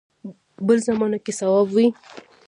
بل زمانه کې صواب وي.